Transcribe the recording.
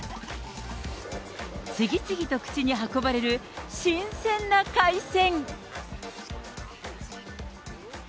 次々と口に運ばれる新鮮な海鮮。